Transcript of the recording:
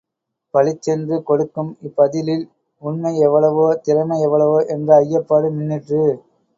பளிச்சென்று கொடுக்கும் இப்பதிலில், உண்மை எவ்வளவோ, திறமை எவ்வளவோ என்ற ஐயப்பாடு மின்னிற்று.